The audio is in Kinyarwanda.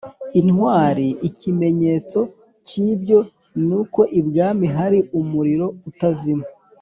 intwari ikimenyetso k’ibyo ni uko i bwami hari umuriro utazima